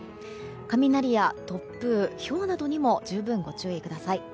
雷や突風、ひょうなどにも十分ご注意ください。